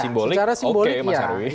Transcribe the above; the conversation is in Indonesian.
secara simbolik oke mas harwi